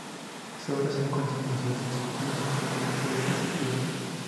Su obra se encuentra en museos, instituciones y colecciones públicas y privadas.